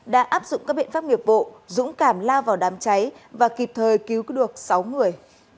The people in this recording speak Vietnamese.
đã áp dụng các biện pháp nghiệp vụ dũng cảm lao vào đám cháy và kịp thời cứu được sáu người